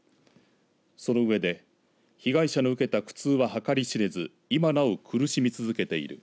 その上で被害者の受けた苦痛は計り知れず今なお苦しみ続けている。